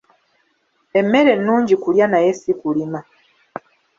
Emmere nnungi kulya naye ssi kulima.